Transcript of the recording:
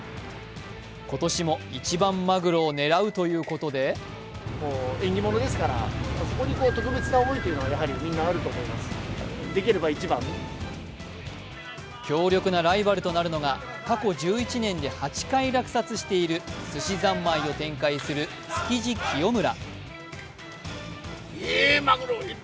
今年も一番まぐろを狙うということで強力なライバルとなるのが過去１１年で８回落札しているすしざんまいを展開するつきじ喜代村。